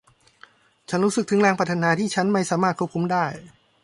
ฉันรู้สึกถึงแรงปรารถนาที่ฉันไม่สามารถควบคุมได้